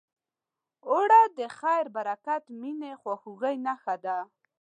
اوړه د خیر، برکت، مینې، خواخوږۍ نښه ده